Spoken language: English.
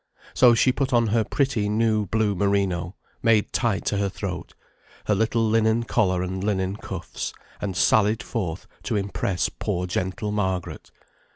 So she put on her pretty new blue merino, made tight to her throat, her little linen collar and linen cuffs, and sallied forth to impress poor gentle Margaret.